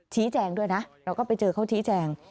ชี้แจงด้วยนะเราก็ไปเจอเขาชี้แจง